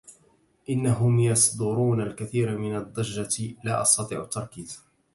إنهم يصدرون الكثير من الضجة، لا أستطيع التركيز.